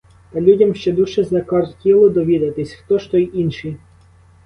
Та людям ще дужче закортіло довідатись: хто ж той інший?